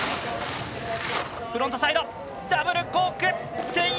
フロントサイドダブルコーク１０８０！